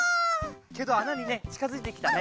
けどあなにね近づいてきたね。